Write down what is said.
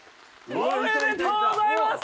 おめでとうございます！